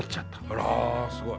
あらすごい。